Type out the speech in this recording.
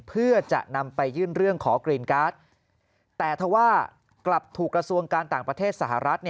เพื่อจะนำไปยื่นเรื่องขอกรีนการ์ดแต่ถ้าว่ากลับถูกกระทรวงการต่างประเทศสหรัฐ